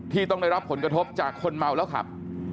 ต้องได้รับผลกระทบจากคนเมาแล้วขับ